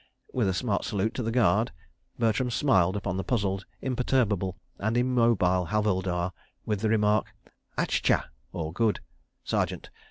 ... With a smart salute to the Guard, Bertram smiled upon the puzzled, imperturbable and immobile Havildar, with the remark: "Achcha, {21a} Sergeant.